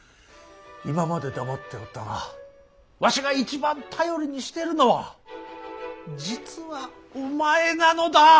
今まで黙っておったがわしが一番頼りにしてるのは実はお前なのだ。